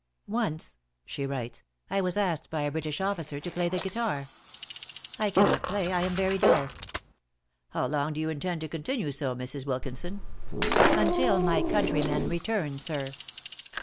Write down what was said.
"Once," she writes, "I was asked by a British officer to play the guitar. "'I cannot play; I am very dull.' "'How long do you intend to continue so, Mrs. Wilkinson?' "'Until my countrymen return, sir!'